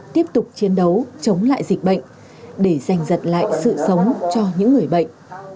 tiếp tục chiến đấu chống lại dịch bệnh để giành giật lại sự sống cho những người bệnh